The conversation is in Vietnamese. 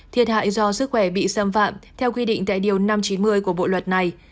thiệt hại do sức khỏe bị xâm phạm theo quy định tại điều năm trăm chín mươi của bộ luật này